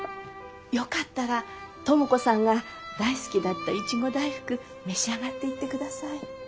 よかったら知子さんが大好きだったイチゴ大福召し上がっていってください。